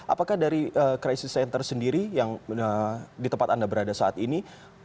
apakah dari crisis center sendiri yang di tempat anda berada saat ini